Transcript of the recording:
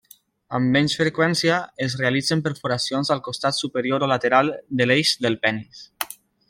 Amb menys freqüència, es realitzen perforacions al costat superior o lateral de l'eix del penis.